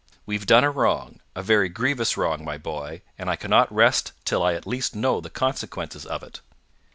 We've done a wrong, a very grievous wrong, my boy, and I cannot rest till I at least know the consequences of it."